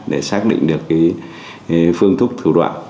để xác định được phương thúc thủ đoạn